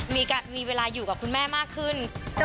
มีเวลาอยู่กับคุณแม่มากขึ้น